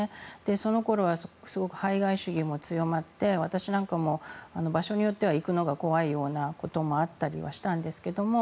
その頃はすごく排外主義も強まって私なんかも場所によっては行くのが怖いようなこともあったりはしたんですけども。